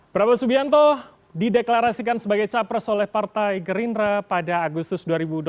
prabowo subianto dideklarasikan sebagai capres oleh partai gerindra pada agustus dua ribu dua puluh